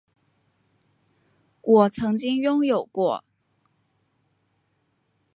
我曾经拥有过